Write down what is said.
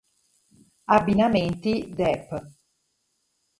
Abbinamenti: Dep.